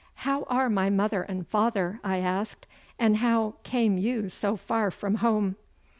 'How are my mother and my father,' I asked, 'and how came you so far from home?